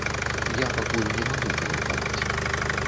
Я пакуль не магу каментаваць.